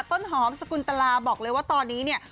ต้นหอมสกุลตลาบอกเลยว่าตอนนี้เนี่ย